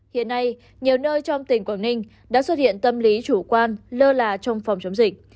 hiện nay nhiều nơi trong tỉnh quảng ninh đã xuất hiện tâm lý chủ quan lơ là trong phòng chống dịch